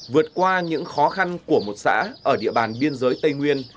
vượt qua những khó khăn của một xã ở địa bàn biên giới tây nguyên